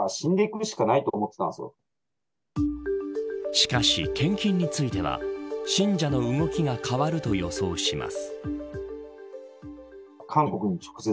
しかし、献金については信者の動きが変わると予想します。